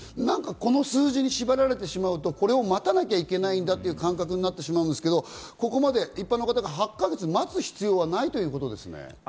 この数字に縛られてしまうと、待たなきゃいけないなという感覚になるんですけれども、一般の方が８か月待つ必要はないということですね。